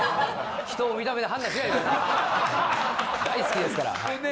大好きですから。